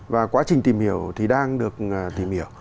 và quá trình tìm hiểu thì đang được tìm hiểu